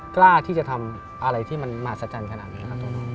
กล้าที่จะทำอะไรที่มันมาสะจานขนาดนี้